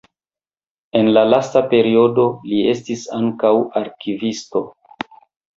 En la lasta periodo li estis ankaŭ arkivisto.